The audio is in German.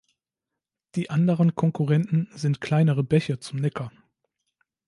Die anderen Konkurrenten sind kleinere Bäche zum Neckar.